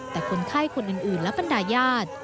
แต่คนไข้คนอื่นและบรรดาญาติ